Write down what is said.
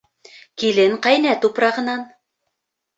Килен ҡәйнә тупрағынан.